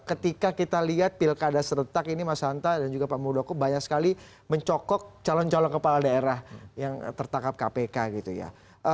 ketika kita lihat pilkada seretak ini mas hanta dan juga pak muldoko banyak sekali mencokok calon calon kepala daerah yang tertangkap kpk gitu ya